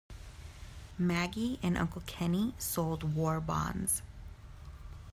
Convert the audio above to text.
Maggie and Uncle Kenny sold war bonds.